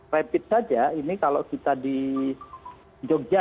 rapid saja ini kalau kita di jogja